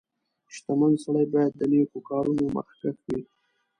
• شتمن سړی باید د نیکو کارونو مخکښ وي.